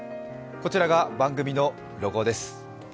こちらが番組のロゴです。